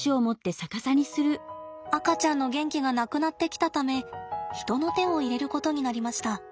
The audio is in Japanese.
赤ちゃんの元気がなくなってきたため人の手を入れることになりました。